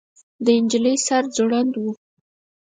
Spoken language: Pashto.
د نجلۍ سر ځوړند و.